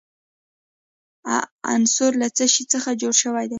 عنصر له څه شي څخه جوړ شوی دی.